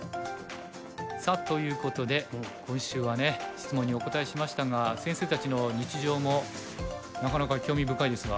さあということで今週はね質問にお答えしましたが先生たちの日常もなかなか興味深いですが。